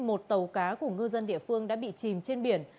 một tàu cá của ngư dân địa phương đã bị chìm trên biển